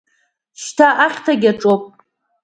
Шьҭа ахьҭагь аҿоуп…